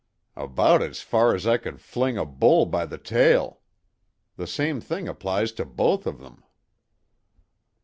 "About as far as I could fling a bull by the tail. The same thing applies to both of them."